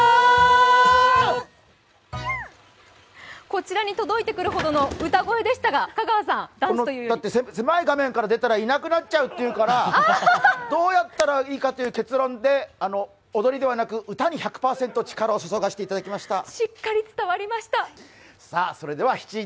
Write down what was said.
こちらに届いてくるほどの歌声でしたが、香川さん、ダンスというより狭い画面から出たらいなくなっちゃうって言うからどうやったらいいかという結論で踊りではなく、歌に１００％力を注がせていただきました。